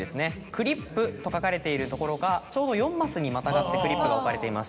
クリップとかかれている所がちょうど４マスにまたがってクリップが置かれています。